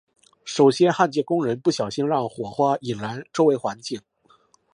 首先焊接工人不小心让火花引燃周围环境。